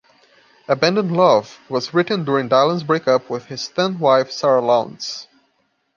"Abandoned Love" was written during Dylan's breakup with his then-wife Sara Lownds.